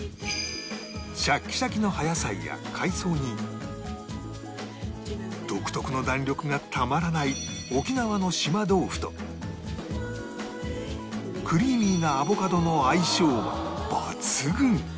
シャッキシャキの葉野菜や海藻に独特の弾力がたまらない沖縄の島豆腐とクリーミーなアボカドの相性は抜群！